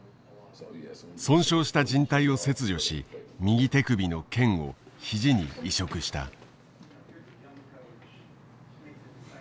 損傷したじん帯を切除し右手首の腱を肘に移植した。